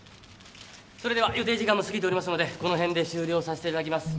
それでは予定時間も過ぎておりますのでこの辺で終了させていただきます。